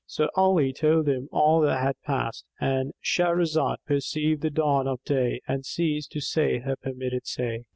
So Ali told him all that had passed——And Shahrazad perceived the dawn of day and ceased to say her permitted say.